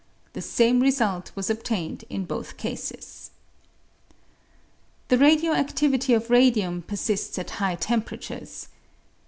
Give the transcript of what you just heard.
The same result was obtained in both cases. The radio adivity of radium persists at high temperatures.